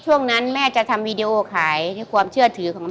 ช่วงนั้นแม่จะทำวีดีโอขายความเชื่อถือของแม่